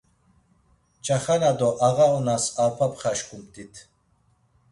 Çaxana do Ağaonas arpa pxaşǩumt̆it.